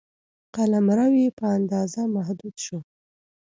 قلمرو یې په اندازه محدود شو.